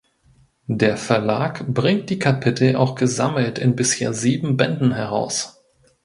Der Verlag bringt die Kapitel auch gesammelt in bisher sieben Bänden heraus.